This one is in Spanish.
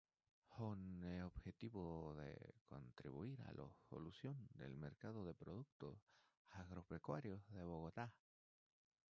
Con objeto de contribuir a la solución del mercado de productos agropecuarios de Bogotá.